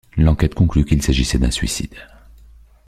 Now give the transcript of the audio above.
L'enquête conclut qu'il s'agissait d'un suicide.